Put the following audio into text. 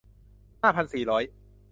ห้าพันสี่ร้อย